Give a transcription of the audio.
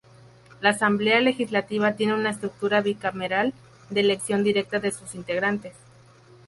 La Asamblea Legislativa tiene una estructura bicameral de elección directa de sus integrantes.